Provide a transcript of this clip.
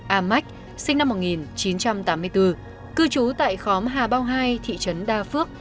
a mách sinh năm một nghìn chín trăm tám mươi bốn cư trú tại khóm hà bao hai thị trấn đa phước